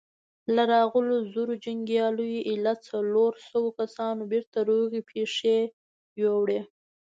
له راغلو زرو جنګياليو ايله څلورو سوو کسانو بېرته روغي پښې يووړې.